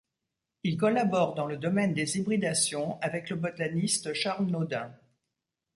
Il collabore dans le domaine des hybridations avec le botaniste Charles Naudin.